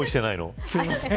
すいません。